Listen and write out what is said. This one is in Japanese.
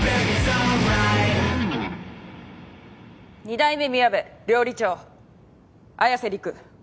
二代目みやべ料理長綾瀬りく。